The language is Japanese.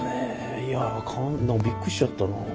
いやびっくりしちゃったなあ。